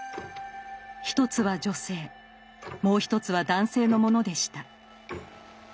一つは女性もう一つは男性のものでした。